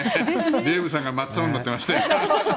デーブさんが真っ青になってました。